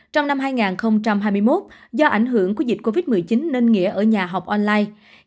trong năm hai nghìn hai mươi một do ảnh hưởng của dịch covid một mươi chín nên nghĩa ở nhà học online